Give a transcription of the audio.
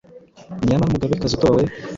Nyamara Umugabekazi utowe